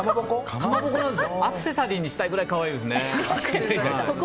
アクセサリーにしたいくらいそこまでですかね。